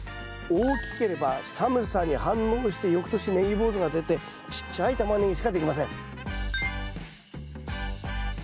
大きければ寒さに反応して翌年ネギ坊主が出てちっちゃいタマネギしか出来ません。